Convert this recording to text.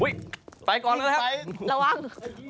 อุ๊ยไปก่อนเลยครับระวัง